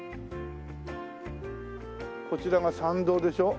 こちらが参道でしょ？